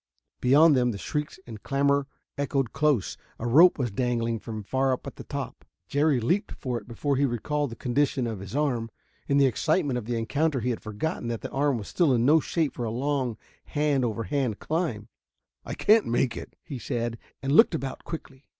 Behind them the shrieks and clamor echoed close. A rope was dangling from far up at the top. Jerry leaped for it before he recalled the condition of his arm. In the excitement of the encounter he had forgotten that the arm was still in no shape for a long hand over hand climb. "I can't make it," he said, and looked about quickly.